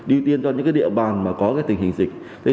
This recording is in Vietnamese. đi tiên cho những địa bàn mà có tình hình dịch